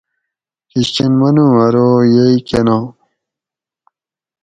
کِشکن منو ارو یئ کنا؟